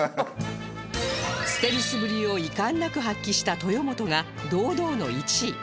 ステルスぶりを遺憾なく発揮した豊本が堂々の１位